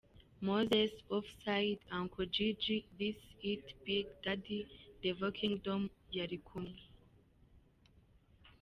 Moses, Offside, Uncle jj,This is it, Big daddy, Devil kingdom yari kumwe.